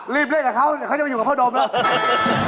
รีบเลือกกับเขาเขาจะไปอยู่กับพ่อดมแล้ว